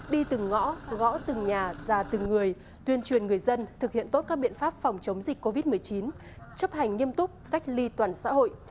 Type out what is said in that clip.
đi từng ngõ gõ từng nhà ra từng người tuyên truyền người dân thực hiện tốt các biện pháp phòng chống dịch covid một mươi chín chấp hành nghiêm túc cách ly toàn xã hội